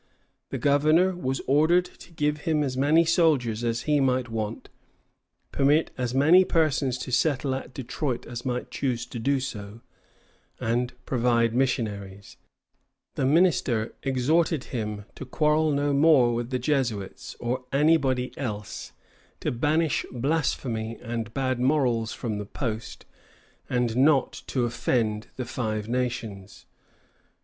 The governor was ordered to give him as many soldiers as he might want, permit as many persons to settle at Detroit as might choose to do so, and provide missionaries. The minister exhorted him to quarrel no more with the Jesuits, or anybody else, to banish blasphemy and bad morals from the post, and not to offend the Five Nations.